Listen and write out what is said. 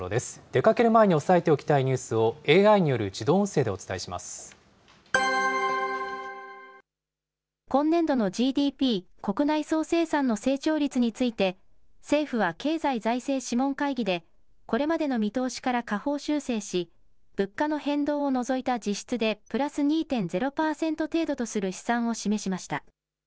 出かける前に押さえておきたいニュースを、ＡＩによる自動音声で今年度のＧＤＰ・国内総生産の成長率について、政府は経済財政諮問会議で、これまでの見通しから下方修正し、物価の変動を除いた実質で、プラス２．０％程度とする試算を示しました。